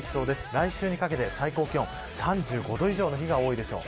来週にかけて最高気温３５度以上の日が多いでしょう。